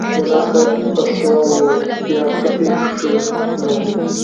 ملا صاحب په سوال وویل بیا څه پېښ شول نو؟